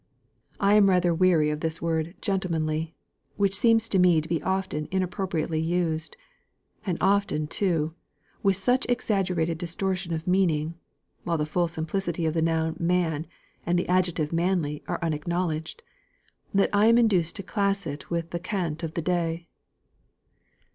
I am rather weary of this word 'gentlemanly,' which seems to me to be often inappropriately used, and often, too, with such exaggerated distortion of meaning, while the full simplicity of the noun 'man,' and the adjective 'manly' are acknowledged that I am induced to class it with the cant of the day."